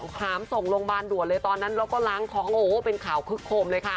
หามส่งโรงพยาบาลด่วนเลยตอนนั้นเราก็ล้างท้องโอ้โหเป็นข่าวคึกโคมเลยค่ะ